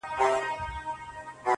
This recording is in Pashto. ځي تر قصابانو په مالدار اعتبار مه کوه!.